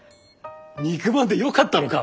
肉まんでよかったのか。